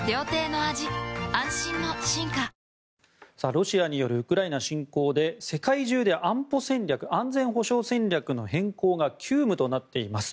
ロシアによるウクライナ侵攻で世界中で安保戦略安全保障戦略の変更が急務となっています。